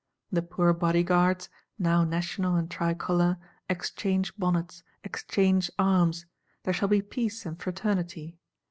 —The poor Bodyguards, now National and tricolor, exchange bonnets, exchange arms; there shall be peace and fraternity.